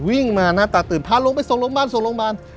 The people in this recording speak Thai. วิ่งมาหน้าตาตื่นพาลงไปส่งโรงบ้าน